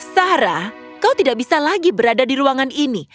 sarah kau tidak bisa lagi berada di ruangan ini